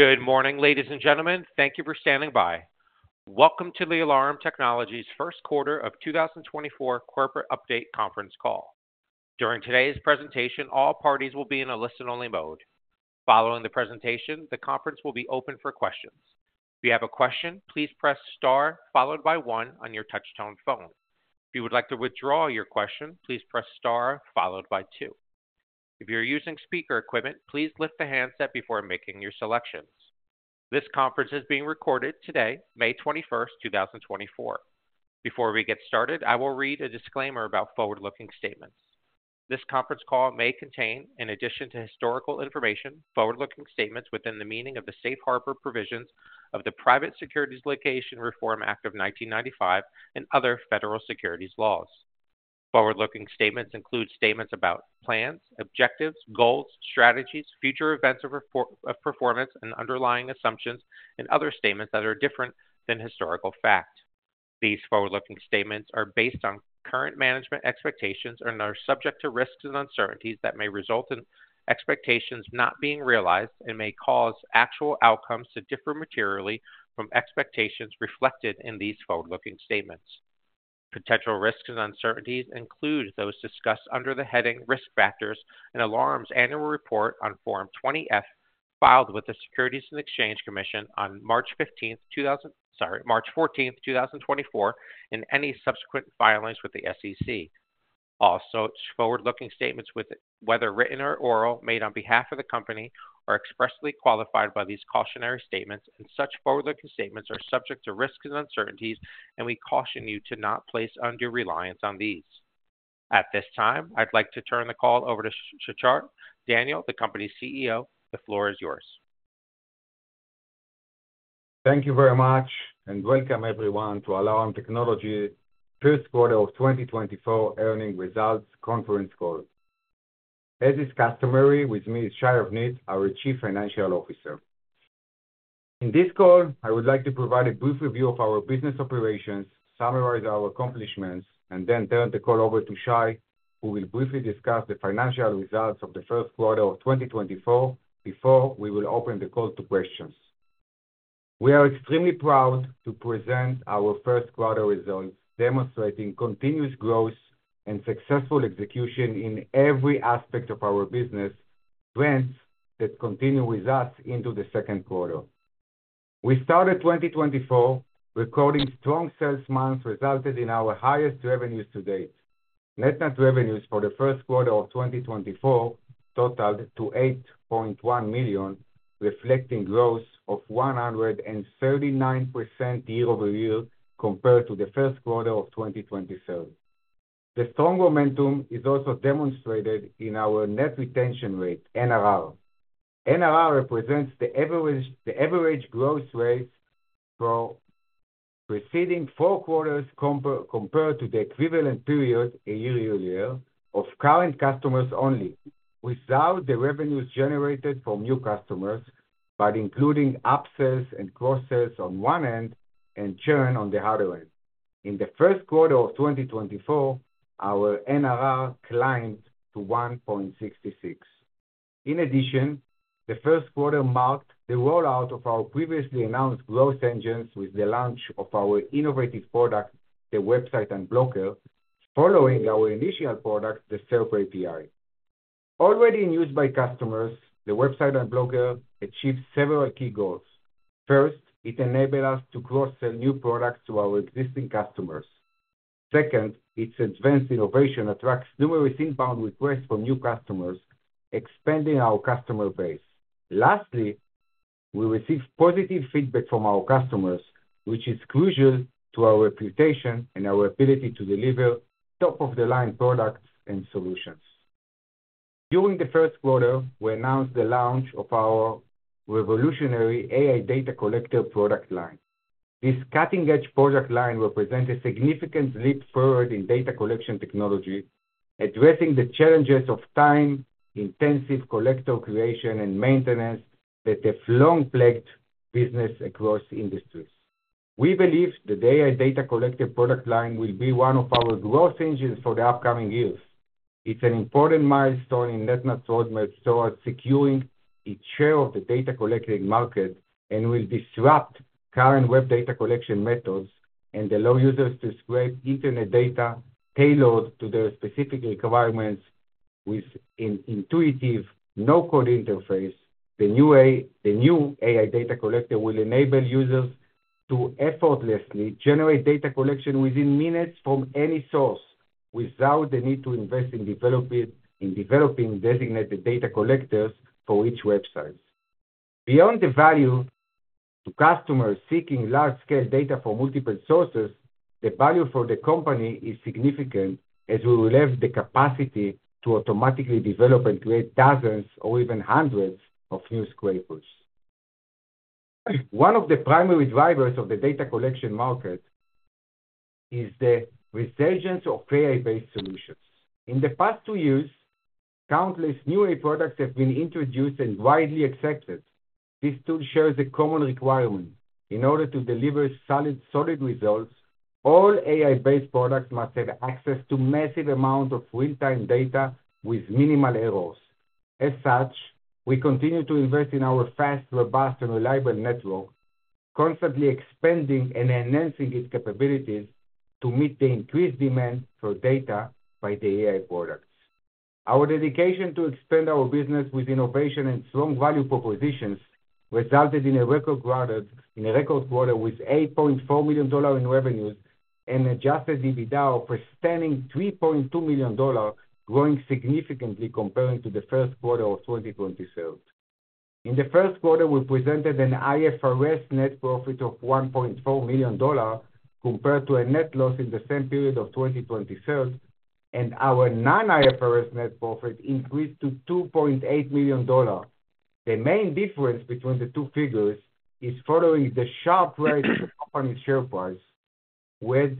Good morning, ladies and gentlemen. Thank you for standing by. Welcome to the Alarum Technologies' first quarter of 2024 corporate update conference call. During today's presentation, all parties will be in a listen-only mode. Following the presentation, the conference will be open for questions. If you have a question, please press star, followed by one on your touchtone phone. If you would like to withdraw your question, please press star followed by two. If you're using speaker equipment, please lift the handset before making your selections. This conference is being recorded today, May 21, 2024. Before we get started, I will read a disclaimer about forward-looking statements. This conference call may contain, in addition to historical information, forward-looking statements within the meaning of the Safe Harbor provisions of the Private Securities Litigation Reform Act of 1995, and other federal securities laws. Forward-looking statements include statements about plans, objectives, goals, strategies, future events or performance, and underlying assumptions, and other statements that are different than historical facts. These forward-looking statements are based on current management expectations and are subject to risks and uncertainties that may result in expectations not being realized and may cause actual outcomes to differ materially from expectations reflected in these forward-looking statements. Potential risks and uncertainties include those discussed under the heading Risk Factors in Alarum's annual report on Form 20-F, filed with the Securities and Exchange Commission on March 15th, two thousand—sorry, March 14th, two thousand and twenty-four, and any subsequent filings with the SEC. Also, its forward-looking statements, whether written or oral, made on behalf of the company, are expressly qualified by these cautionary statements, and such forward-looking statements are subject to risks and uncertainties, and we caution you to not place undue reliance on these. At this time, I'd like to turn the call over to Shachar Daniel, the company's CEO. The floor is yours. Thank you very much, and welcome everyone to Alarum Technologies first quarter of 2024 earnings results conference call. As is customary, with me is Shai Avnit, our Chief Financial Officer. In this call, I would like to provide a brief review of our business operations, summarize our accomplishments, and then turn the call over to Shai, who will briefly discuss the financial results of the first quarter of 2024, before we will open the call to questions. We are extremely proud to present our first quarter results, demonstrating continuous growth and successful execution in every aspect of our business, trends that continue with us into the second quarter. We started 2024 recording strong sales months, resulted in our highest revenues to date. NetNut revenues for the first quarter of 2024 totaled to $8.1 million, reflecting growth of 139% year-over-year compared to the first quarter of 2023. The strong momentum is also demonstrated in our net retention rate, NRR. NRR represents the average growth rate for preceding four quarters compared to the equivalent period a year-over-year of current customers only, without the revenues generated from new customers, but including upsells and cross-sales on one end and churn on the other end. In the first quarter of 2024, our NRR climbed to 1.66. In addition, the first quarter marked the rollout of our previously announced growth engines with the launch of our innovative product, the Website Unblocker, following our initial product, the SERP Scraper API. Already in use by customers, the Website Unblocker achieved several key goals. First, it enabled us to cross-sell new products to our existing customers. Second, its advanced innovation attracts numerous inbound requests from new customers, expanding our customer base. Lastly, we received positive feedback from our customers, which is crucial to our reputation and our ability to deliver top-of-the-line products and solutions. During the first quarter, we announced the launch of our revolutionary AI Data Collector product line. This cutting-edge product line represents a significant leap forward in data collection technology, addressing the challenges of time-intensive collector creation and maintenance that have long plagued businesses across industries. We believe the AI Data Collector product line will be one of our growth engines for the upcoming years. It's an important milestone in NetNut's roadmap towards securing its share of the data collecting market and will disrupt current web data collection methods and allow users to scrape internet data tailored to their specific requirements with an intuitive, no-code interface. The new AI Data Collector will enable users to effortlessly generate data collection within minutes from any source, without the need to invest in developing designated data collectors for each website. Beyond the value to customers seeking large-scale data from multiple sources, the value for the company is significant, as we will have the capacity to automatically develop and create dozens or even hundreds of new scrapers. One of the primary drivers of the data collection market is the resurgence of AI-based solutions. In the past two years, countless new AI products have been introduced and widely accepted. This tool shares a common requirement. In order to deliver solid results. All AI-based products must have access to massive amount of real-time data with minimal errors. As such, we continue to invest in our fast, robust and reliable network, constantly expanding and enhancing its capabilities to meet the increased demand for data by the AI products. Our dedication to expand our business with innovation and strong value propositions resulted in a record quarter with $8.4 million in revenues and adjusted EBITDA of a stunning $3.2 million, growing significantly compared to the first quarter of 2023. In the first quarter, we presented an IFRS net profit of $1.4 million, compared to a net loss in the same period of 2023, and our non-IFRS net profit increased to $2.8 million. The main difference between the two figures is following the sharp rise in the company's share price, we had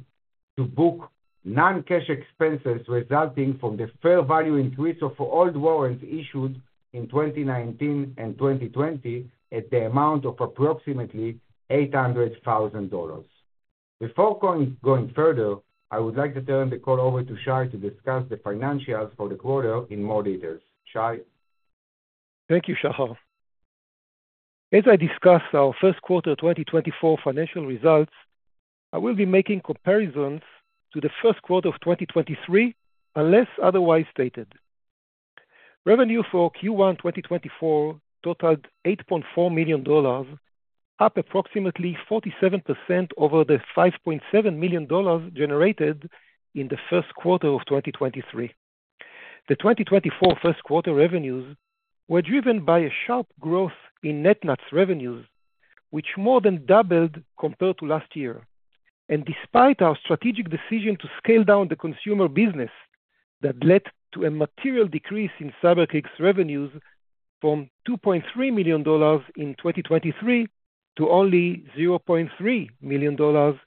to book non-cash expenses resulting from the fair value increase of old warrants issued in 2019 and 2020, at the amount of approximately $800,000. Before going further, I would like to turn the call over to Shai to discuss the financials for the quarter in more details. Shai? Thank you, Shachar. As I discuss our first quarter 2024 financial results, I will be making comparisons to the first quarter of 2023, unless otherwise stated. Revenue for Q1 2024 totaled $8.4 million, up approximately 47% over the $5.7 million generated in the first quarter of 2023. The 2024 first quarter revenues were driven by a sharp growth in NetNut's revenues, which more than doubled compared to last year. Despite our strategic decision to scale down the consumer business, that led to a material decrease in CyberKick revenues from $2.3 million in 2023, to only $0.3 million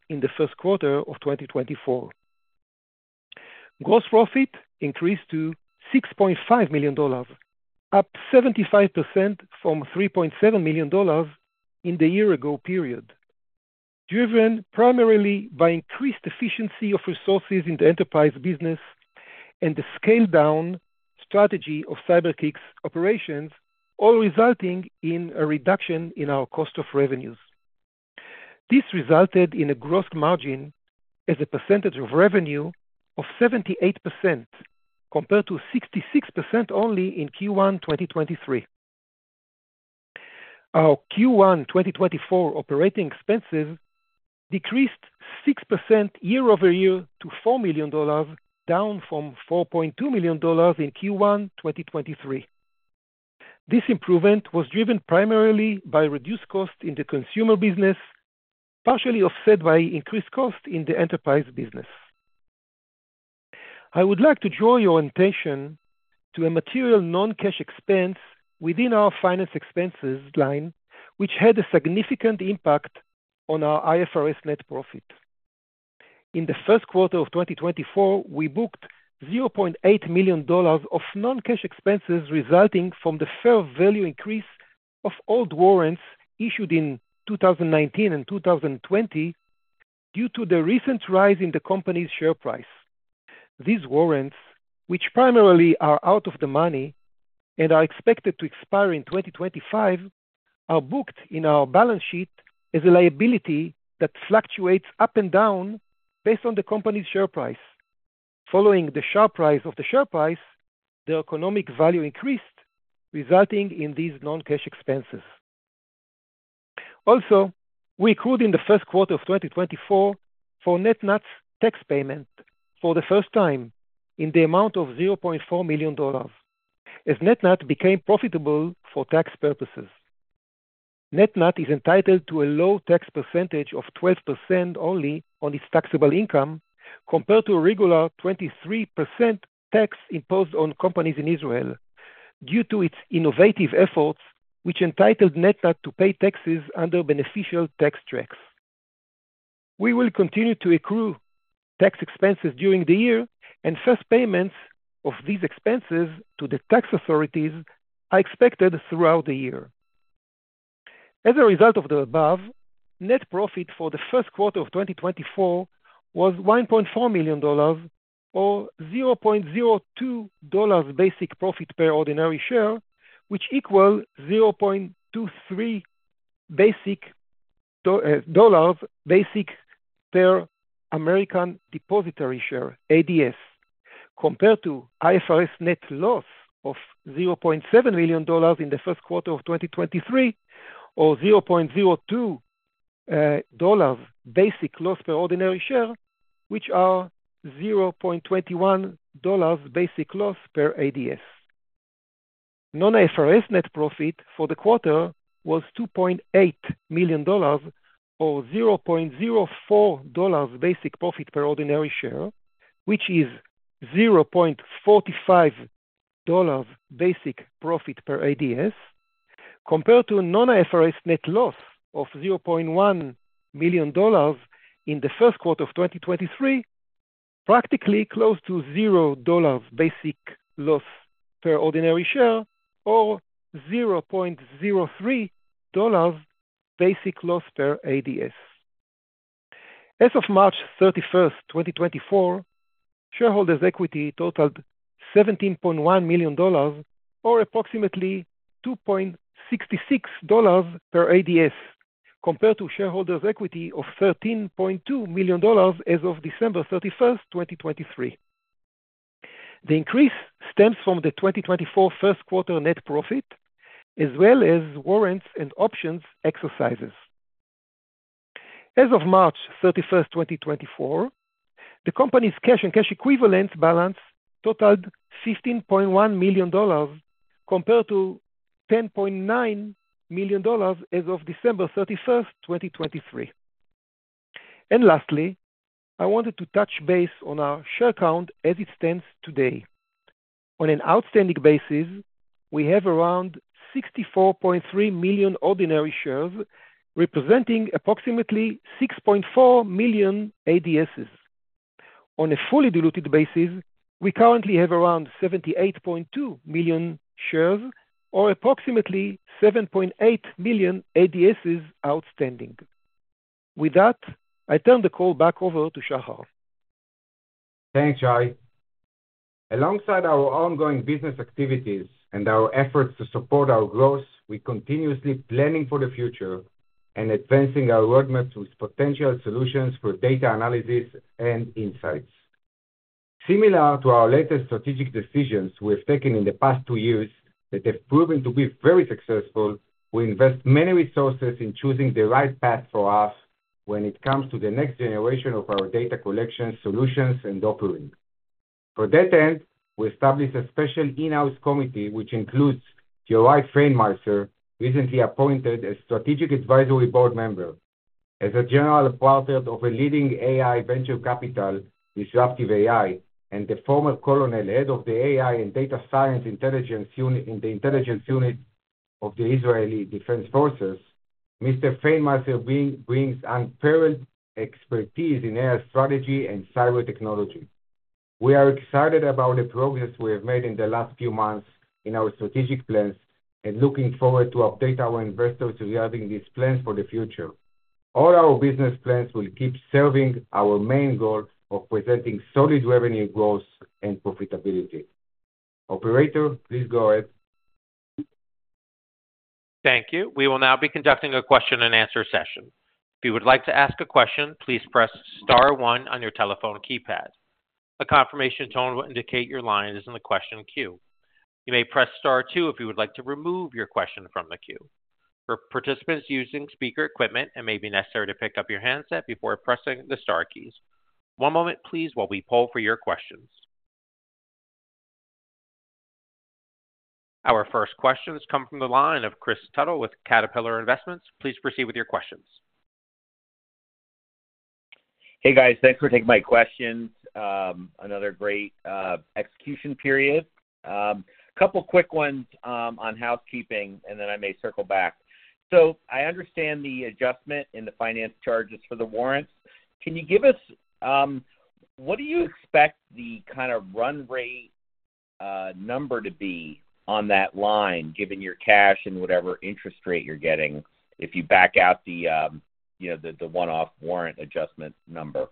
in the first quarter of 2024. Gross profit increased to $6.5 million, up 75% from $3.7 million in the year ago period, driven primarily by increased efficiency of resources in the enterprise business and the scale down strategy of CyberKick operations, all resulting in a reduction in our cost of revenues. This resulted in a gross margin as a percentage of revenue of 78%, compared to 66% only in Q1 2023. Our Q1 2024 operating expenses decreased 6% year-over-year to $4 million, down from $4.2 million in Q1 2023. This improvement was driven primarily by reduced costs in the consumer business, partially offset by increased costs in the enterprise business. I would like to draw your attention to a material non-cash expense within our finance expenses line, which had a significant impact on our IFRS net profit. In the first quarter of 2024, we booked $0.8 million of non-cash expenses resulting from the fair value increase of old warrants issued in 2019 and 2020, due to the recent rise in the company's share price. These warrants, which primarily are out of the money and are expected to expire in 2025, are booked in our balance sheet as a liability that fluctuates up and down based on the company's share price. Following the sharp rise of the share price, the economic value increased, resulting in these non-cash expenses. Also, we accrued in the first quarter of 2024 for NetNut's tax payment for the first time in the amount of $0.4 million. As NetNut became profitable for tax purposes, NetNut is entitled to a low tax percentage of 12% only on its taxable income, compared to a regular 23% tax imposed on companies in Israel, due to its innovative efforts, which entitled NetNut to pay taxes under beneficial tax tracks. We will continue to accrue tax expenses during the year, and first payments of these expenses to the tax authorities are expected throughout the year. As a result of the above, net profit for the first quarter of 2024 was $1.4 million, or $0.02 basic profit per ordinary share, which equals $0.23 basic dollars basic per American Depositary Share, ADS, compared to IFRS net loss of $0.7 million in the first quarter of 2023, or $0.02 dollars basic loss per ordinary share, which are $0.21 dollars basic loss per ADS. Non-IFRS net profit for the quarter was $2.8 million or $0.04 basic profit per ordinary share, which is $0.45 basic profit per ADS, compared to a non-IFRS net loss of $0.1 million in the first quarter of 2023.... practically close to $0 basic loss per ordinary share, or $0.03 basic loss per ADS. As of March 31, 2024, shareholders' equity totaled $17.1 million, or approximately $2.66 per ADS, compared to shareholders' equity of $13.2 million as of December 31, 2023. The increase stems from the 2024 first quarter net profit, as well as warrants and options exercises. As of March 31, 2024, the company's cash and cash equivalent balance totaled $15.1 million, compared to $10.9 million as of December 31, 2023. And lastly, I wanted to touch base on our share count as it stands today. On an outstanding basis, we have around 64.3 million ordinary shares, representing approximately 6.4 million ADSs. On a fully diluted basis, we currently have around 78.2 million shares, or approximately 7.8 million ADSs outstanding. With that, I turn the call back over to Shachar. Thanks, Shai. Alongside our ongoing business activities and our efforts to support our growth, we continuously planning for the future and advancing our roadmap with potential solutions for data analysis and insights. Similar to our latest strategic decisions we've taken in the past two years, that have proven to be very successful, we invest many resources in choosing the right path for us when it comes to the next generation of our data collection solutions and offering. For that end, we established a special in-house committee, which includes Giora Feinmarsser, recently appointed as strategic advisory board member. As a general partner of a leading AI venture capital, Disruptive AI, and the former colonel head of the AI and Data Science Intelligence Unit in the intelligence unit of the Israel Defense Forces, Mr. Feinmarsser brings unparalleled expertise in AI strategy and cyber technology. We are excited about the progress we have made in the last few months in our strategic plans and looking forward to update our investors regarding these plans for the future. All our business plans will keep serving our main goal of presenting solid revenue growth and profitability. Operator, please go ahead. Thank you. We will now be conducting a question and answer session. If you would like to ask a question, please press star one on your telephone keypad. A confirmation tone will indicate your line is in the question queue. You may press star two if you would like to remove your question from the queue. For participants using speaker equipment, it may be necessary to pick up your handset before pressing the star keys. One moment please, while we poll for your questions. Our first question has come from the line of Chris Tuttle with Katahdin Asset Management. Please proceed with your questions. Hey, guys. Thanks for taking my questions, another great execution period. A couple quick ones on housekeeping, and then I may circle back. So I understand the adjustment in the finance charges for the warrants. Can you give us what do you expect the kind of run rate number to be on that line, given your cash and whatever interest rate you're getting, if you back out the, you know, the one-off warrant adjustment number?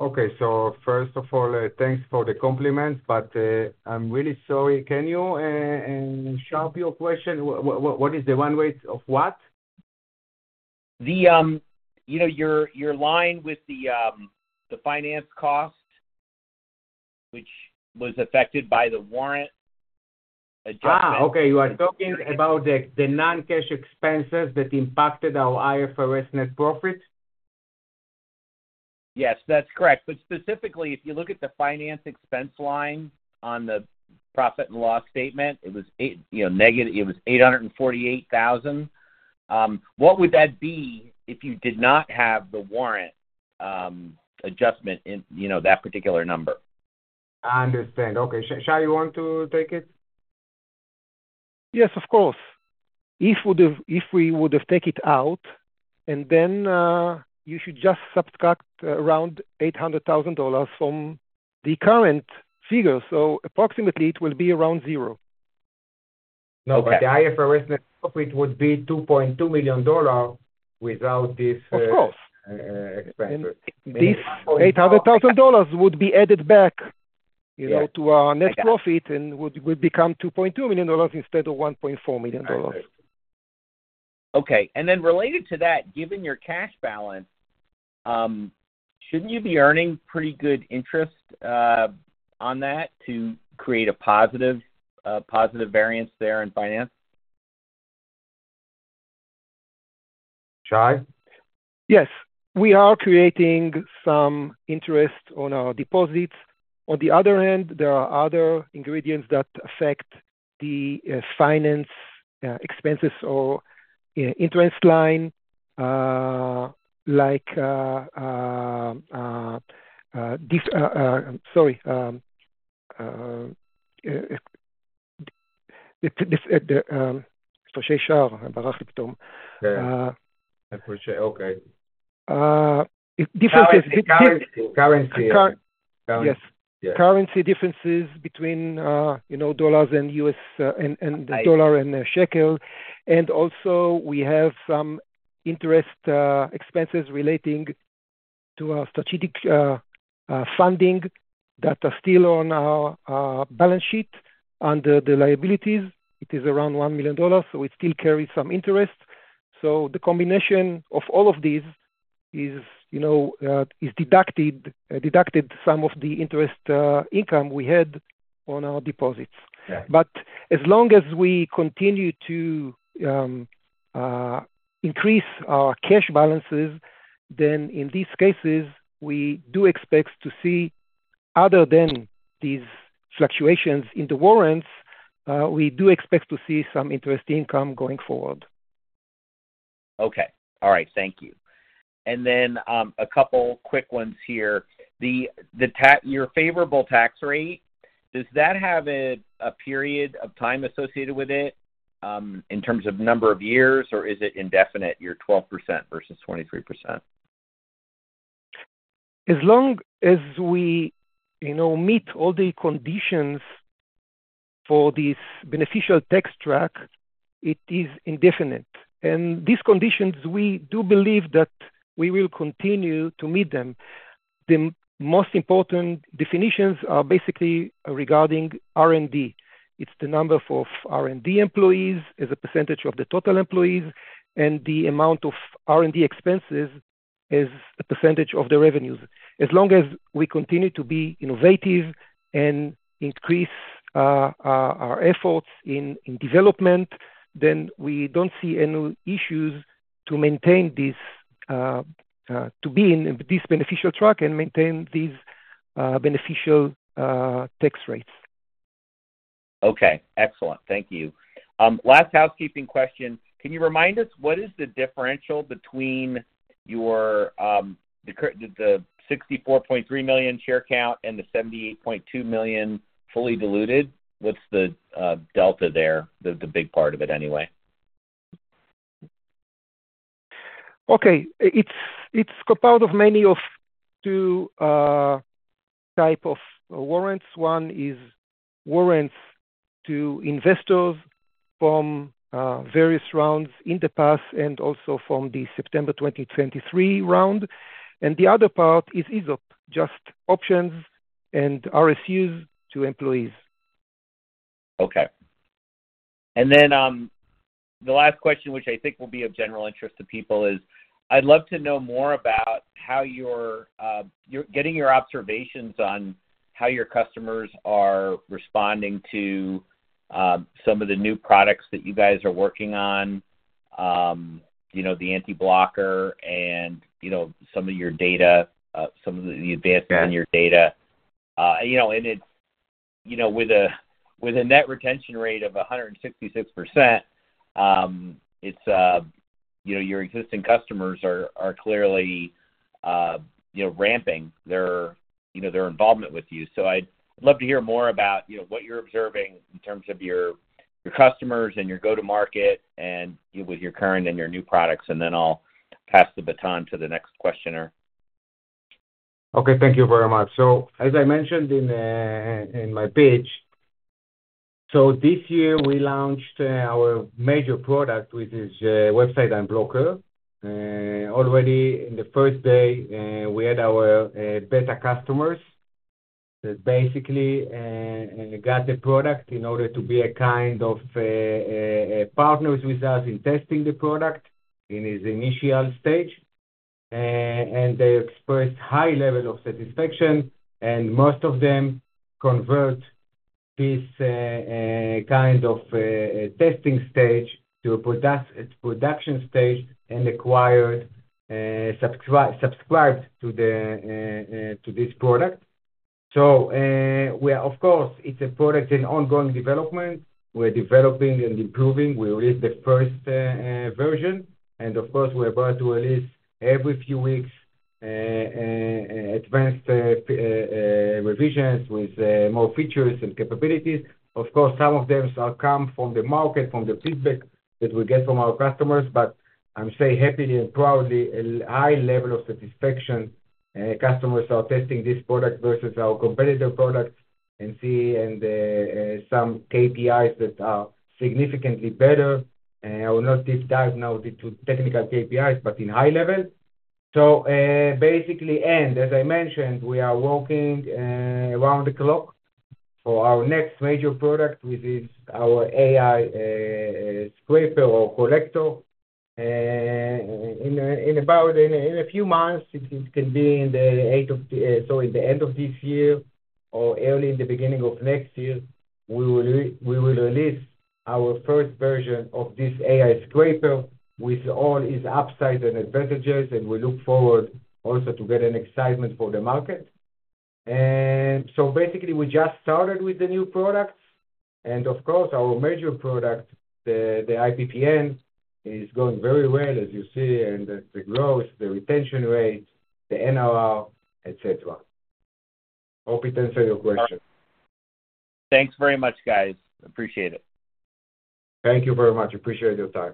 Okay. So first of all, thanks for the compliment, but I'm really sorry. Can you sharpen your question? What is the run rate of what? You know, your line with the finance cost, which was affected by the warrant adjustment. Ah, okay. You are talking about the non-cash expenses that impacted our IFRS net profit? Yes, that's correct. But specifically, if you look at the finance expense line on the profit and loss statement, it was, you know, negative $848,000. What would that be if you did not have the warrant adjustment in, you know, that particular number? I understand. Okay. Shai, you want to take it? Yes, of course. If we would have take it out, and then, you should just subtract around $800,000 from the current figure. So approximately it will be around zero. Okay. No, but the IFRS net profit would be $2.2 million without this, Of course Expense. This $800,000 would be added back, you know, to our net profit- Yes, I got it. And would become $2.2 million instead of $1.4 million. I see. Okay, and then related to that, given your cash balance, shouldn't you be earning pretty good interest on that to create a positive positive variance there in finance? Shai? Yes, we are creating some interest on our deposits. On the other hand, there are other ingredients that affect the finance expenses or interest line, like Yeah. Okay. Uh, differences- Currency. Currency. Cur-- yes. Yes. Currency differences between, you know, dollars and U.S. dollar and shekel. Also we have some interest expenses relating to our strategic funding that are still on our balance sheet under the liabilities. It is around $1 million, so it still carries some interest. So the combination of all of these is, you know, deducted some of the interest income we had on our deposits. Right. But as long as we continue to increase our cash balances, then in these cases, we do expect to see other than these fluctuations in the warrants, we do expect to see some interest income going forward. Okay. All right, thank you. And then, a couple quick ones here. The tax, your favorable tax rate, does that have a period of time associated with it, in terms of number of years or is it indefinite, your 12% versus 23%? As long as we, you know, meet all the conditions for this beneficial tax track, it is indefinite. These conditions, we do believe that we will continue to meet them. The most important definitions are basically regarding R&D. It's the number of R&D employees, as a percentage of the total employees, and the amount of R&D expenses as a percentage of the revenues. As long as we continue to be innovative and increase our efforts in development, then we don't see any issues to maintain this, to be in this beneficial track and maintain these beneficial tax rates. Okay, excellent. Thank you. Last housekeeping question: can you remind us what is the differential between your, the 64.3 million share count and the 78.2 million fully diluted? What's the delta there, the big part of it anyway? Okay. It's composed of many of two types of warrants. One is warrants to investors from various rounds in the past, and also from the September 2023 round, and the other part is ISOs, just options and RSUs to employees. Okay. And then, the last question, which I think will be of general interest to people, is I'd love to know more about how you're getting your observations on how your customers are responding to some of the new products that you guys are working on, you know, the anti-blocker and, you know, some of your data, some of the advances- Yeah In your data. You know, and it's, you know, with a, with a net retention rate of 166%, it's, you know, your existing customers are, are clearly, you know, ramping their, you know, their involvement with you. So I'd love to hear more about, you know, what you're observing in terms of your, your customers and your go-to market, and with your current and your new products, and then I'll pass the baton to the next questioner. Okay, thank you very much. So, as I mentioned in my pitch, so this year we launched our major product, which is Website Unblocker. Already in the first day, we had our beta customers that basically got the product in order to be a kind of partners with us in testing the product in its initial stage. And they expressed high level of satisfaction, and most of them convert this kind of testing stage to a production stage and acquired, subscribed to this product. So, we are of course. It's a product in ongoing development. We're developing and improving. We release the first version, and of course, we're about to release every few weeks advanced revisions with more features and capabilities. Of course, some of them are come from the market, from the feedback that we get from our customers, but I'm say happily and proudly, a high level of satisfaction, customers are testing this product versus our competitor products and see, and some KPIs that are significantly better. I will not deep dive now into technical KPIs, but in high level. So, basically, and as I mentioned, we are working around the clock for our next major product, which is our AI scraper or collector. In about a few months, so in the end of this year or early in the beginning of next year, we will release our first version of this AI scraper with all its upsides and advantages, and we look forward also to get an excitement for the market. So basically, we just started with the new product, and of course, our major product, the IPPN, is going very well, as you see, and the growth, the retention rate, the NRR, etc. Hope it answered your question. Thanks very much, guys. Appreciate it. Thank you very much. Appreciate your time.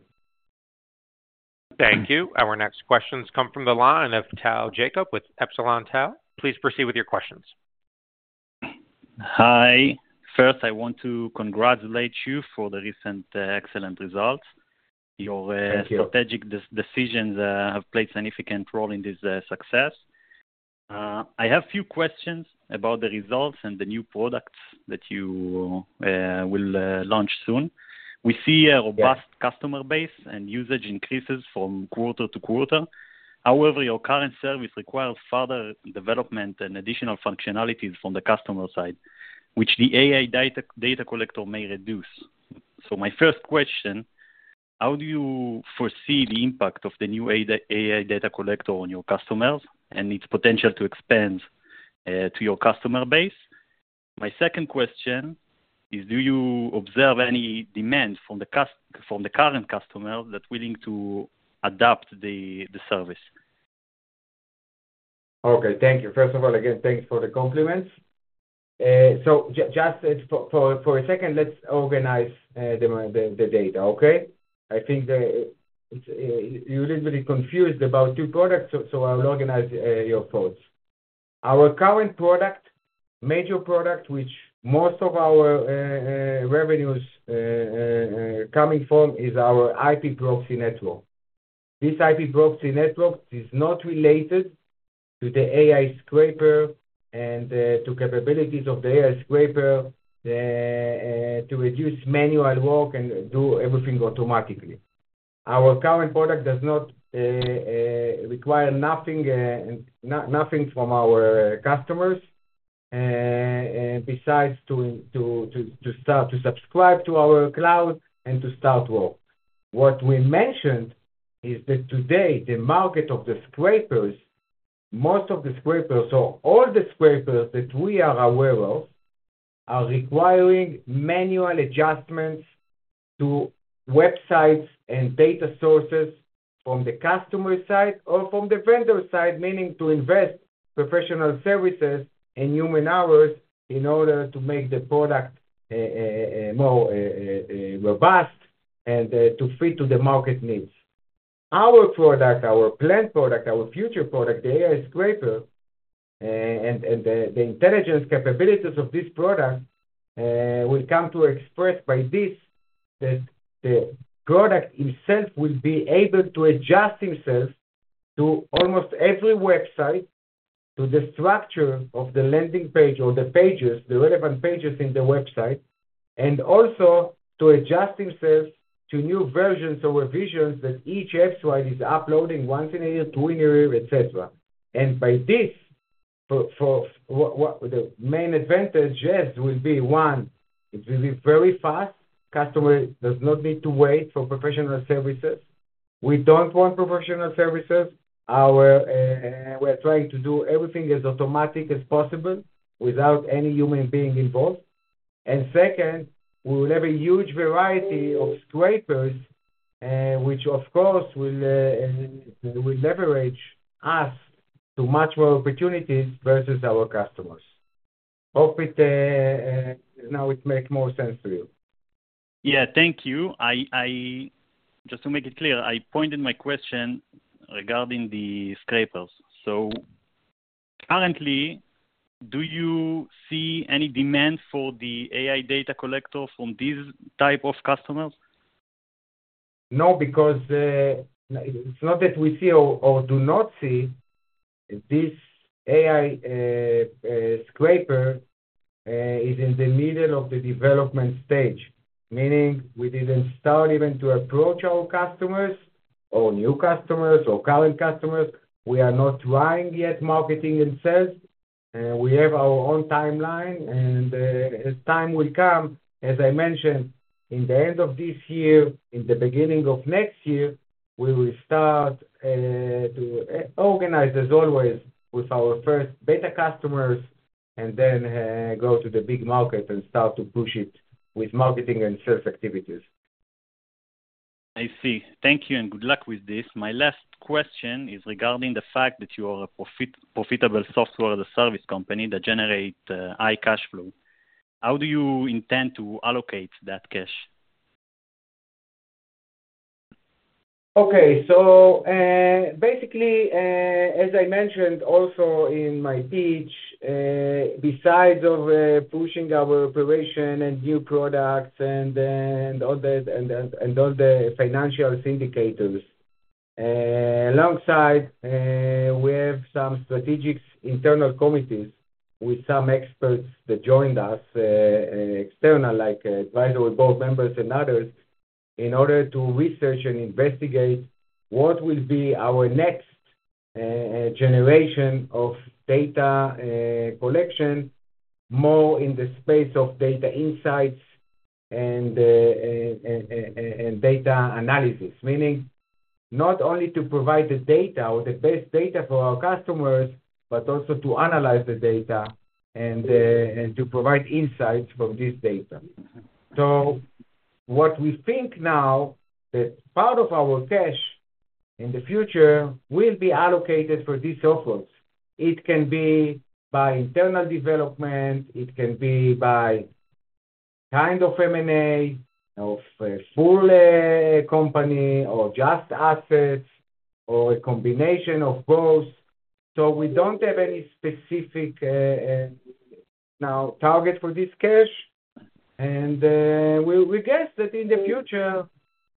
Thank you. Our next questions come from the line of Tal Jacob, with Epsilon Tal. Please proceed with your questions. Hi. First, I want to congratulate you for the recent excellent results. Thank you. Your strategic decisions have played significant role in this success. I have a few questions about the results and the new products that you will launch soon. We see a robust customer base and usage increases from quarter to quarter. However, your current service requires further development and additional functionalities from the customer side, which the AI data collector may reduce. So my first question, how do you foresee the impact of the new AI data collector on your customers, and its potential to expand to your customer base? My second question is, do you observe any demand from the current customer that's willing to adopt the service? Okay, thank you. First of all, again, thank you for the compliments. So just for a second, let's organize the data, okay? I think it's you're a little bit confused about two products, so I'll organize your thoughts. Our current product, major product, which most of our revenues coming from, is our IP Proxy Network. This IP Proxy Network is not related to the AI scraper and to capabilities of the AI scraper to reduce manual work and do everything automatically. Our current product does not require nothing, not nothing from our customers, besides to start to subscribe to our cloud and to start work. What we mentioned is that today, the market of the scrapers, most of the scrapers or all the scrapers that we are aware of, are requiring manual adjustments to websites and data sources from the customer side or from the vendor side, meaning to invest professional services and human hours in order to make the product, more robust and to fit to the market needs. Our product, our planned product, our future product, the AI scraper, and the intelligence capabilities of this product, will come to express by this, that the product itself will be able to adjust itself to almost every website, to the structure of the landing page or the pages, the relevant pages in the website, and also to adjust itself to new versions or revisions that each site is uploading once in a year, two in a year, et cetera. And by this, the main advantage, yes, will be, one, it will be very fast. Customer does not need to wait for professional services. We don't want professional services. We're trying to do everything as automatic as possible without any human being involved. And second, we will have a huge variety of scrapers, which of course will leverage us to much more opportunities versus our customers. Hope it now it make more sense to you. Yeah. Thank you. I just to make it clear, I pointed my question regarding the scrapers. So currently, do you see any demand for the AI Data Collector from these type of customers? No, because, it's not that we see or, or do not see, this AI scraper is in the middle of the development stage. Meaning we didn't start even to approach our customers, or new customers, or current customers. We are not running yet marketing and sales. We have our own timeline, and, as time will come, as I mentioned, in the end of this year, in the beginning of next year, we will start, to organize, as always, with our first beta customers and then, go to the big market and start to push it with marketing and sales activities. I see. Thank you, and good luck with this. My last question is regarding the fact that you are a profitable software as a service company that generate high cash flow. How do you intend to allocate that cash? Okay. So, basically, as I mentioned also in my pitch, besides of pushing our operation and new products and all the financial indicators, alongside, we have some strategic internal committees with some experts that joined us, external, like, advisory board members and others, in order to research and investigate what will be our next generation of data collection, more in the space of data insights and data analysis. Meaning, not only to provide the data or the best data for our customers, but also to analyze the data and to provide insights from this data. So what we think now, that part of our cash-... in the future will be allocated for these offers. It can be by internal development, it can be by kind of M&A, of a full company, or just assets, or a combination of both. So we don't have any specific known target for this cash, and we guess that in the future,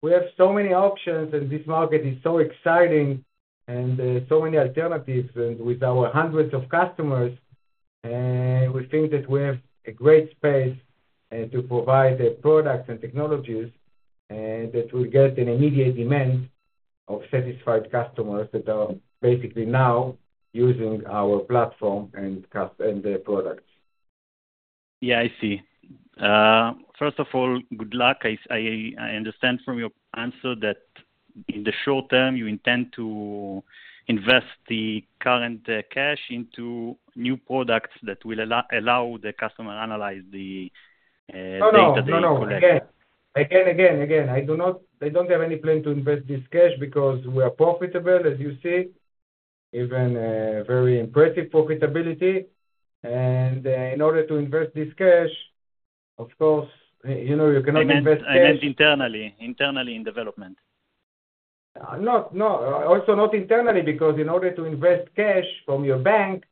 we have so many options, and this market is so exciting and so many alternatives with our hundreds of customers, we think that we have a great space to provide the products and technologies, and that will get an immediate demand of satisfied customers that are basically now using our platform and customers and the products. Yeah, I see. First of all, good luck. I understand from your answer that in the short-term, you intend to invest the current cash into new products that will allow the customer analyze the day-to-day collection. No, no. Again, again, again, I do not, I don't have any plan to invest this cash because we are profitable, as you see, even very impressive profitability. And, in order to invest this cash, of course, you know, you cannot invest cash- I meant, I meant internally, internally in development. No. Also, not internally, because in order to invest cash from your bank,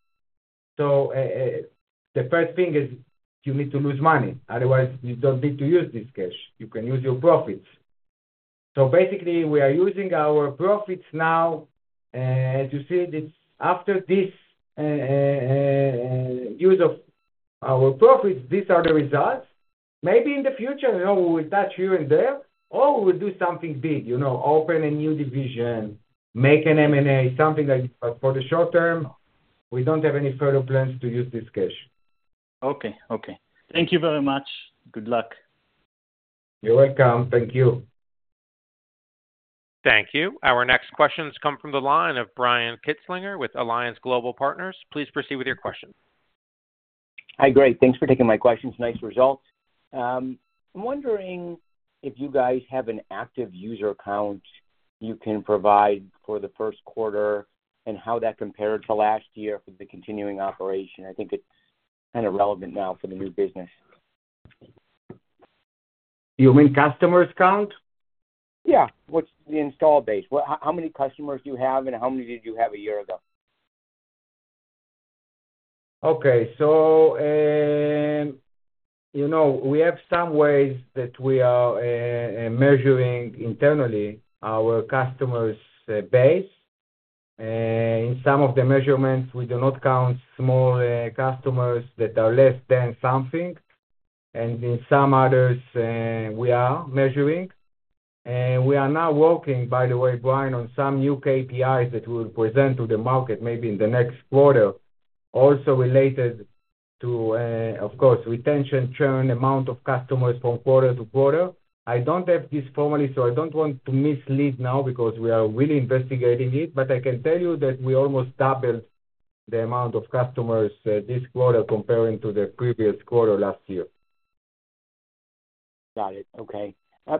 the first thing is you need to lose money. Otherwise, you don't need to use this cash. You can use your profits. So basically, we are using our profits now, and to see that after this use of our profits, these are the results. Maybe in the future, you know, we will touch here and there, or we'll do something big, you know, open a new division, make an M&A, something like... But for the short-term, we don't have any further plans to use this cash. Okay, okay. Thank you very much. Good luck. You're welcome. Thank you. Thank you. Our next questions come from the line of Brian Kinstlinger with Alliance Global Partners. Please proceed with your question. Hi, great. Thanks for taking my questions. Nice results. I'm wondering if you guys have an active user account you can provide for the first quarter and how that compared to last year with the continuing operation? I think it's kind of relevant now for the new business. You mean customers count? Yeah. What's the install base? Well, how many customers do you have, and how many did you have a year ago? Okay, so, you know, we have some ways that we are measuring internally our customers base. In some of the measurements, we do not count small customers that are less than something, and in some others, we are measuring. We are now working, by the way, Brian, on some new KPIs that we'll present to the market, maybe in the next quarter, also related to, of course, retention, churn, amount of customers from quarter to quarter. I don't have this formally, so I don't want to mislead now because we are really investigating it, but I can tell you that we almost doubled the amount of customers this quarter comparing to the previous quarter last year. Got it. Okay.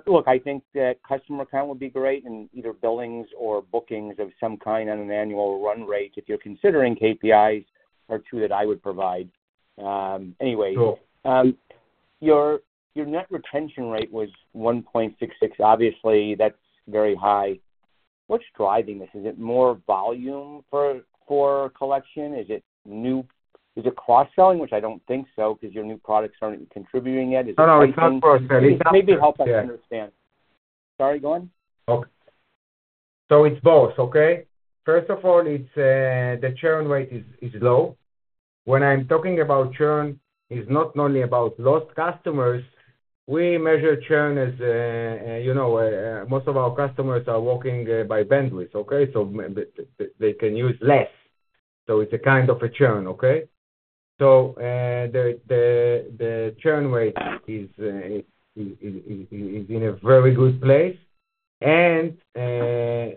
Look, I think that customer count would be great in either billings or bookings of some kind on an annual run rate. If you're considering KPIs are two that I would provide. Anyway- Sure. Your, your net retention rate was 1.66. Obviously, that's very high. What's driving this? Is it more volume for collection? Is it new? Is it cross-selling? Which I don't think so, because your new products aren't contributing yet. No, no, it's not cross-selling. Maybe help us understand. Sorry, go on. Okay. So it's both, okay? First of all, it's the churn rate is low. When I'm talking about churn, is not only about lost customers, we measure churn as, you know, most of our customers are working by bandwidth, okay? So they can use less. So it's a kind of a churn, okay? So the churn rate is in a very good place, and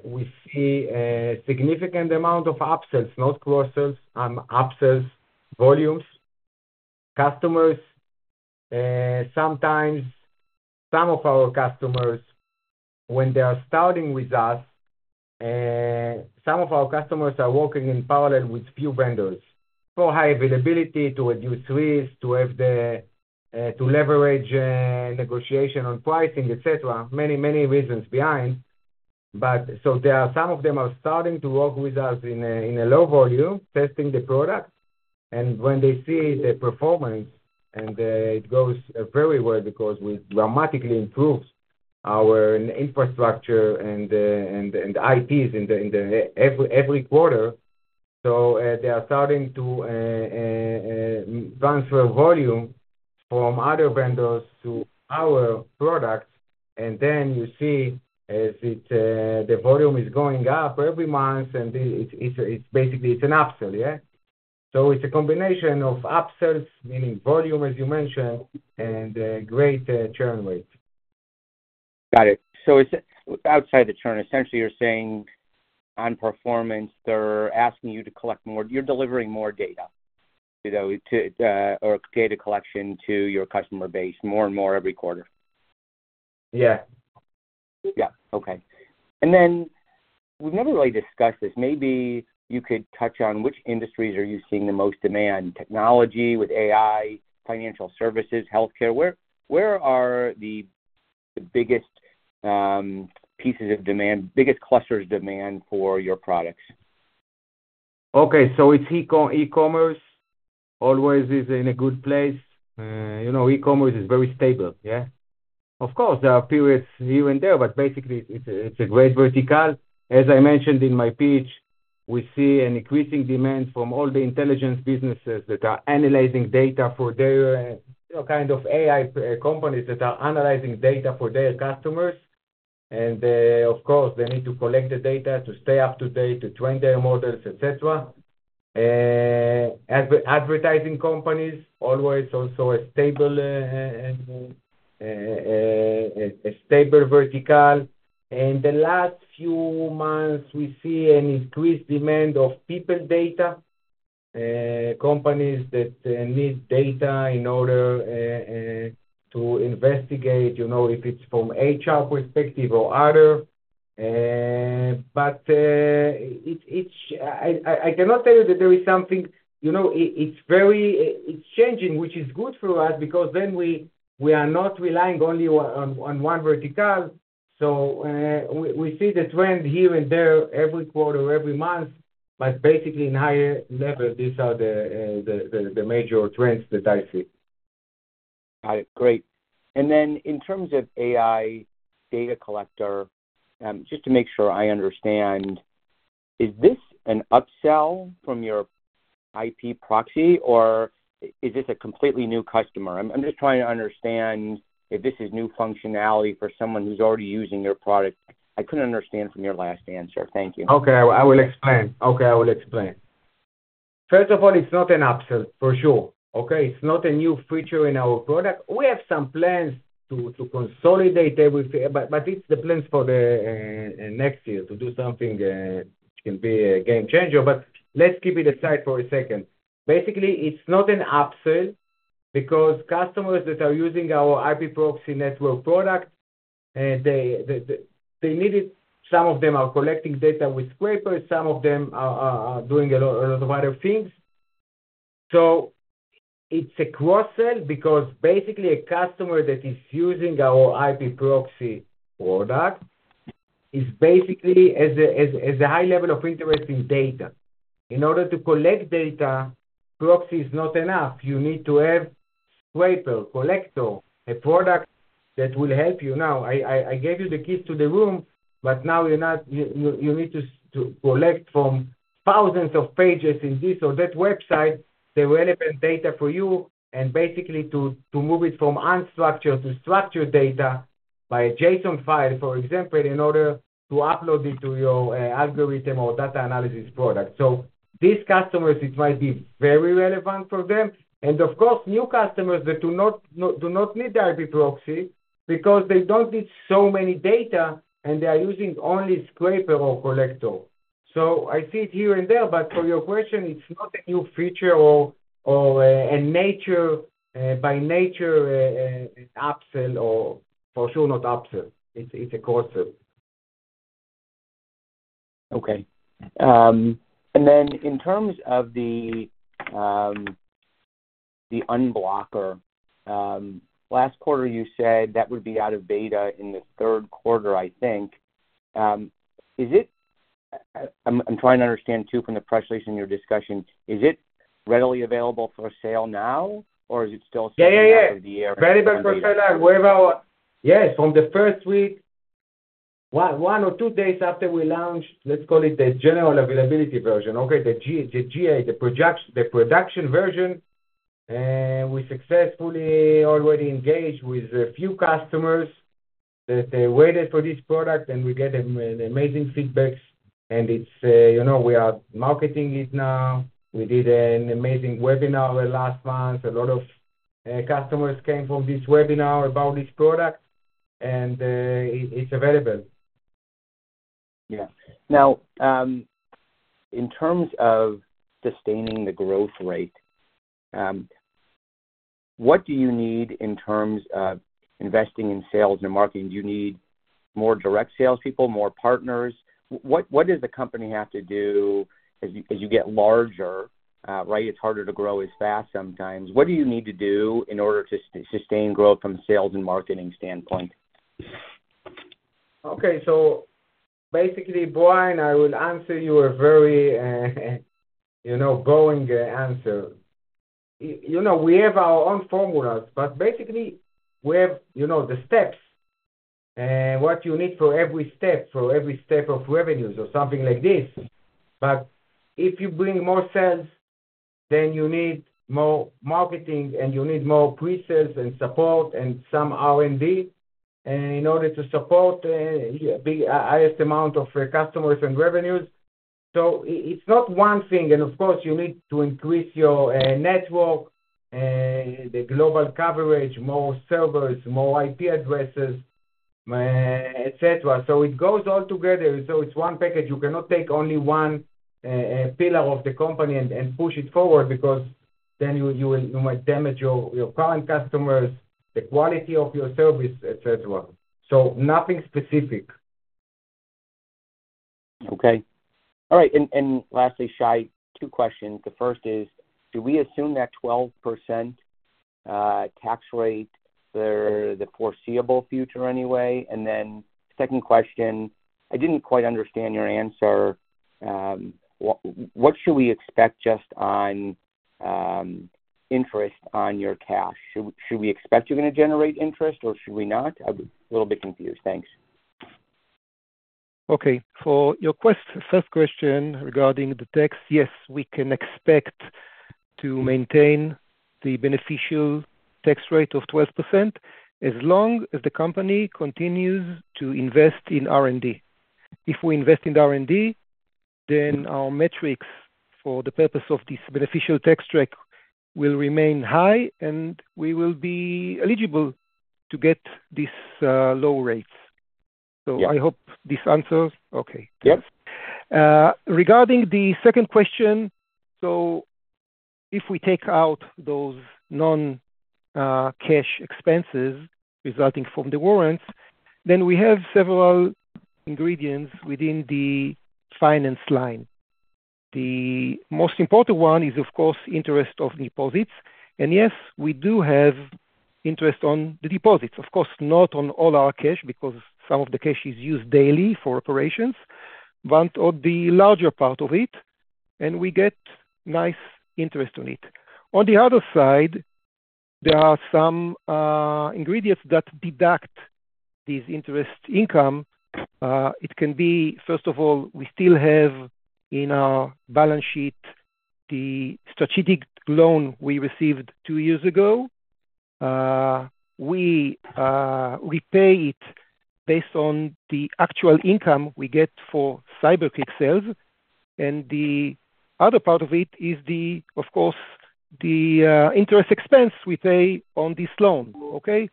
we see a significant amount of upsells, not cross-sells, upsells, volumes. Customers, sometimes some of our customers, when they are starting with us, some of our customers are working in parallel with few vendors, for high availability, to reduce risk, to have the to leverage negotiation on pricing, et cetera. Many, many reasons behind. But so there are some of them are starting to work with us in a low volume, testing the product, and when they see the performance and it goes very well because we dramatically improves our infrastructure and its in the every quarter. So they are starting to transfer volume from other vendors to our products, and then you see as the volume is going up every month, and it's basically it's an upsell, yeah? So it's a combination of upsells, meaning volume, as you mentioned, and a great churn rate. Got it. So is it outside the churn, essentially you're saying on performance, they're asking you to collect more... You're delivering more data?... you know, to, or data collection to your customer base, more and more every quarter? Yeah. Yeah. Okay. And then we've never really discussed this. Maybe you could touch on which industries are you seeing the most demand? Technology with AI, financial services, healthcare. Where are the biggest pieces of demand, biggest clusters demand for your products? Okay, so it's ecom, e-commerce always is in a good place. You know, e-commerce is very stable, yeah. Of course, there are periods here and there, but basically, it's a great vertical. As I mentioned in my pitch, we see an increasing demand from all the intelligence businesses that are analyzing data for their, you know, kind of AI companies that are analyzing data for their customers. And, of course, they need to collect the data to stay up to date, to train their models, et cetera. Advertising companies, always also a stable, a stable vertical. In the last few months, we see an increased demand of people data companies that need data in order to investigate, you know, if it's from HR perspective or other. But I cannot tell you that there is something... You know, it's very changing, which is good for us because then we are not relying only on one vertical. So, we see the trend here and there every quarter, every month, but basically in higher level, these are the major trends that I see. Got it. Great. And then in terms of AI Data Collector, just to make sure I understand, is this an upsell from your IP Proxy, or is this a completely new customer? I'm, I'm just trying to understand if this is new functionality for someone who's already using your product. I couldn't understand from your last answer. Thank you. Okay, I will explain. First of all, it's not an upsell, for sure. Okay? It's not a new feature in our product. We have some plans to consolidate everything, but it's the plans for the next year to do something can be a game changer, but let's keep it aside for a second. Basically, it's not an upsell because customers that are using our IP Proxy Network product, they need it. Some of them are collecting data with scraper, some of them are doing a lot of other things. So it's a cross-sell because basically a customer that is using our IP Proxy product is basically as a high level of interest in data. In order to collect data, proxy is not enough. You need to have scraper, collector, a product that will help you. Now, I gave you the keys to the room, but now you're not—you need to collect from thousands of pages in this or that website, the relevant data for you, and basically to move it from unstructured to structured data by a JSON file, for example, in order to upload it to your algorithm or data analysis product. So these customers, it might be very relevant for them. And of course, new customers that do not need the IP proxy because they don't need so many data, and they are using only scraper or collector. So I see it here and there, but for your question, it's not a new feature or a nature by nature upsell or for sure, not upsell. It's a cross-sell. Okay. And then in terms of the unblocker, last quarter, you said that would be out of beta in the third quarter, I think. Is it? I'm trying to understand too, from the press release in your discussion, is it readily available for sale now, or is it still- Yeah, yeah At the end of the year? Readily for sale. Wherever... Yes, from the first week, one or two days after we launched, let's call it the general availability version. Okay, the G- the GA, the project, the production version, we successfully already engaged with a few customers that they waited for this product, and we get an amazing feedbacks. And it's, you know, we are marketing it now. We did an amazing webinar last month. A lot of customers came from this webinar about this product, and it, it's available. Yeah. Now, in terms of sustaining the growth rate, what do you need in terms of investing in sales and marketing? Do you need more direct sales people, more partners? What does the company have to do as you get larger, right? It's harder to grow as fast sometimes. What do you need to do in order to sustain growth from a sales and marketing standpoint? Okay. So basically, Brian, I will answer you a very, you know, going, answer. You know, we have our own formulas, but basically, we have, you know, the steps, what you need for every step, for every step of revenues or something like this. But if you bring more sales, then you need more marketing, and you need more pre-sales and support and some R&D, in order to support, the highest amount of your customers and revenues. So it's not one thing, and of course, you need to increase your, network, the global coverage, more servers, more IP addresses, et cetera. So it goes all together. So it's one package. You cannot take only one pillar of the company and push it forward, because then you will, you might damage your current customers, the quality of your service, et cetera. So nothing specific. Okay. All right, and lastly, Shai, two questions. The first is, do we assume that 12% tax rate for the foreseeable future anyway? And then second question, I didn't quite understand your answer. What should we expect just on interest on your cash? Should we expect you're gonna generate interest or should we not? I'm a little bit confused. Thanks. Okay. For your first question regarding the tax, yes, we can expect to maintain the beneficial tax rate of 12% as long as the company continues to invest in R&D. If we invest in R&D, then our metrics for the purpose of this beneficial tax track will remain high, and we will be eligible to get these low rates. Yeah. I hope this answers... Okay. Yes. Regarding the second question, so if we take out those non-cash expenses resulting from the warrants, then we have several ingredients within the finance line. The most important one is, of course, interest on deposits. And yes, we do have interest on the deposits. Of course, not on all our cash, because some of the cash is used daily for operations, but on the larger part of it, and we get nice interest on it. On the other side, there are some ingredients that deduct this interest income. It can be, first of all, we still have in our balance sheet the strategic loan we received two years ago. We pay it based on the actual income we get for CyberKick sales, and the other part of it is the, of course, the interest expense we pay on this loan. Okay?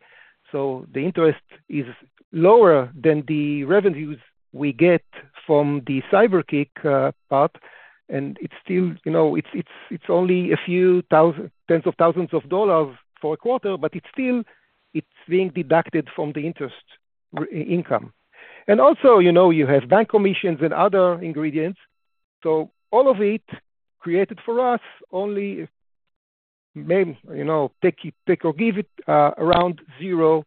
So the interest is lower than the revenues we get from the CyberKick part, and it's still, you know, it's only a few thousand-tens of thousands of dollars for a quarter, but it's still, it's being deducted from the interest income. And also, you know, you have bank commissions and other ingredients, so all of it created for us only if, maybe, you know, take it, take or give it, around zero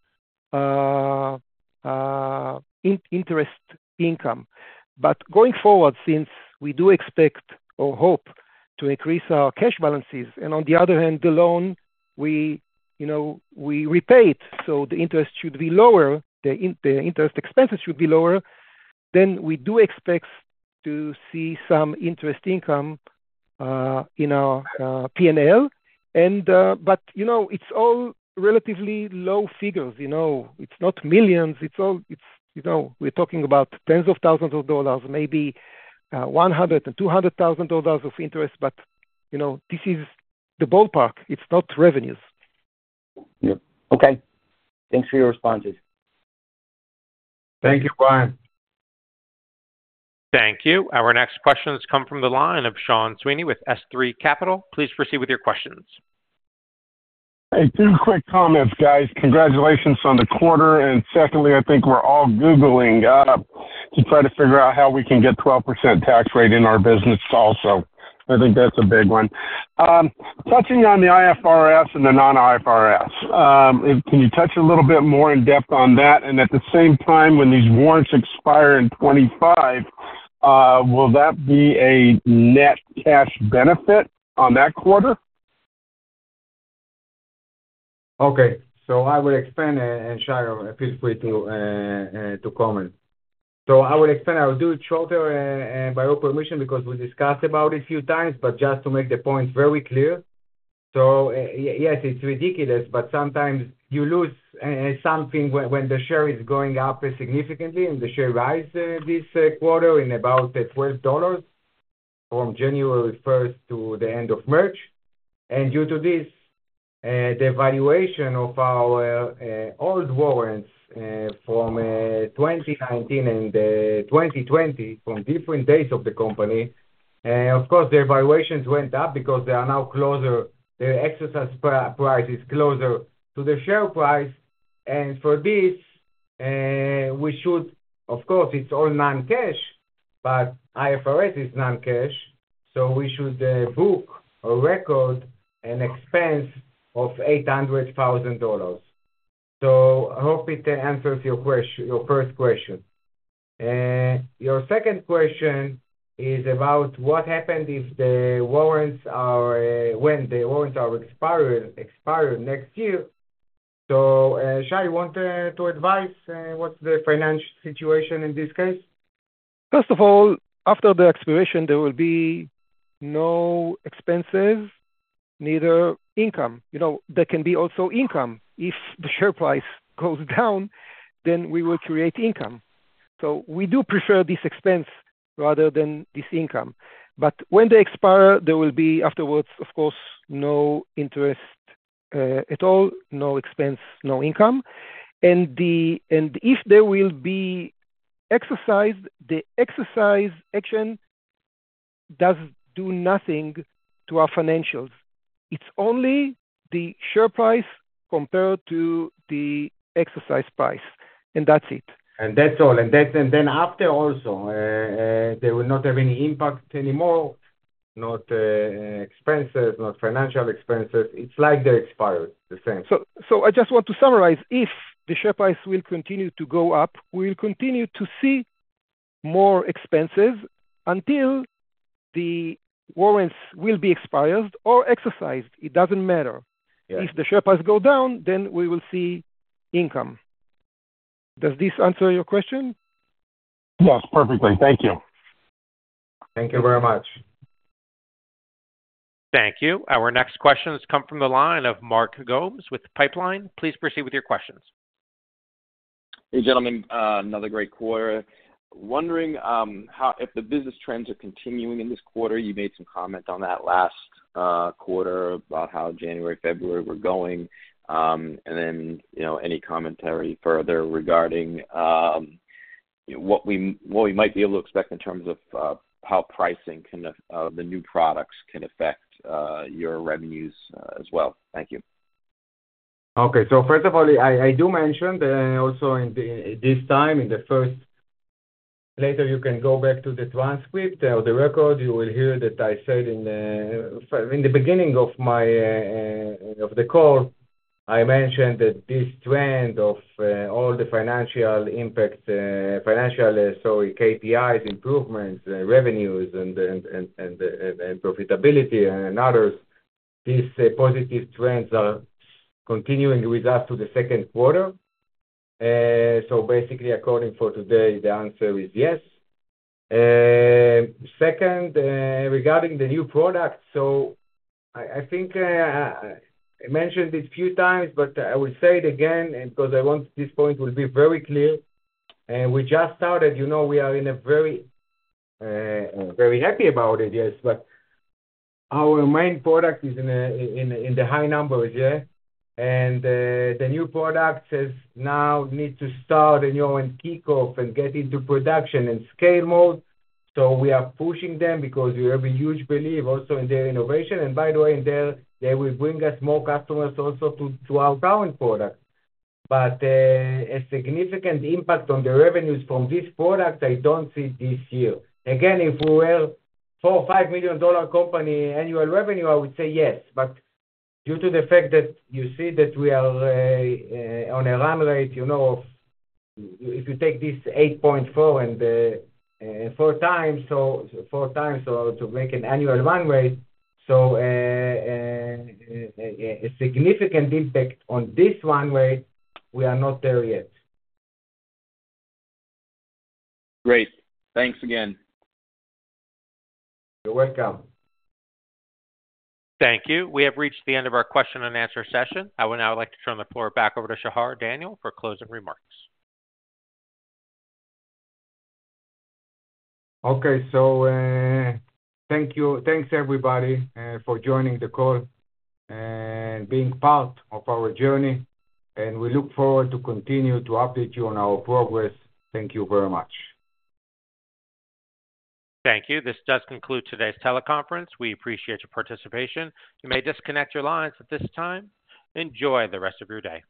interest income. But going forward, since we do expect or hope to increase our cash balances, and on the other hand, the loan, we, you know, we repay it, so the interest should be lower, the interest expenses should be lower, then we do expect to see some interest income in our PNL. And, but, you know, it's all relatively low figures. You know, it's not millions, it's all, it's, you know, we're talking about tens of thousands of dollars, maybe, $100,000-$200,000 of interest, but, you know, this is the ballpark, it's not revenues. Yeah. Okay. Thanks for your responses. Thank you, Brian. Thank you. Our next questions come from the line of Sean Sweeney with S3 Capital. Please proceed with your questions. Hey, two quick comments, guys. Congratulations on the quarter, and secondly, I think we're all googling up to try to figure out how we can get 12% tax rate in our business also. I think that's a big one. Touching on the IFRS and the non-IFRS, can you touch a little bit more in depth on that? And at the same time, when these warrants expire in 25, will that be a net cash benefit on that quarter? Okay, so I will explain, and Shai, feel free to comment. So I will explain, I will do it shorter, and by your permission, because we discussed about it a few times, but just to make the point very clear. So yes, it's ridiculous, but sometimes you lose something when the share is going up significantly, and the share rise this quarter in about $12 from January first to the end of March. And due to this, the valuation of our old warrants from 2019 and 2020, from different days of the company, of course, their valuations went up because they are now closer. Their exercise price is closer to the share price. And for this, we should... Of course, it's all non-cash, but IFRS is non-cash, so we should book or record an expense of $800,000. So I hope it answers your first question. Your second question is about what happened if the warrants expire next year. So, Shai, want to advise what's the financial situation in this case? First of all, after the expiration, there will be no expenses, neither income. You know, there can be also income. If the share price goes down, then we will create income.... So we do prefer this expense rather than this income. But when they expire, there will be afterwards, of course, no interest at all, no expense, no income. And if there will be exercise, the exercise action does do nothing to our financials. It's only the share price compared to the exercise price, and that's it. And that's all. And then, after also, they will not have any impact anymore, not expenses, not financial expenses. It's like they expired, the same. So, I just want to summarize, if the share price will continue to go up, we'll continue to see more expenses until the warrants will be expired or exercised. It doesn't matter. Yeah. If the share price go down, then we will see income. Does this answer your question? Yes, perfectly. Thank you. Thank you very much. Thank you. Our next question has come from the line of Mark Gomes with Pipeline. Please proceed with your questions. Hey, gentlemen, another great quarter. Wondering how, if the business trends are continuing in this quarter, you made some comments on that last quarter about how January, February were going. And then, you know, any commentary further regarding what we might be able to expect in terms of how pricing can, the new products can affect your revenues as well. Thank you. Okay. So first of all, I do mention also in this time. Later, you can go back to the transcript or the record, you will hear that I said in the beginning of my of the call, I mentioned that this trend of all the financial impact, financially, so KPIs, improvements, revenues, and profitability and others, these positive trends are continuing with us to the second quarter. So basically, according for today, the answer is yes. Second, regarding the new product, so I think I mentioned this a few times, but I will say it again, and 'cause I want this point to be very clear. We just started, you know, we are very happy about it, yes, but our main product is in the high numbers, yeah? And the new products has now need to start, you know, and kick off and get into production and scale mode. So we are pushing them because we have a huge belief also in their innovation. And by the way, they will bring us more customers also to our current product. But a significant impact on the revenues from this product, I don't see this year. Again, if we were $4 million-$5 million dollar company annual revenue, I would say yes, but due to the fact that you see that we are on a run rate, you know, if you take this 8.4 and 4 times, so 4 times, so to make an annual run rate, so a significant impact on this run rate, we are not there yet. Great. Thanks again. You're welcome. Thank you. We have reached the end of our question and answer session. I would now like to turn the floor back over to Shachar Daniel for closing remarks. Okay, so, thanks, everybody, for joining the call and being part of our journey, and we look forward to continue to update you on our progress. Thank you very much. Thank you. This does conclude today's teleconference. We appreciate your participation. You may disconnect your lines at this time. Enjoy the rest of your day.